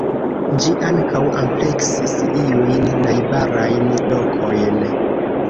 Ĝi ankaŭ ampleksis iujn najbarajn lokojn.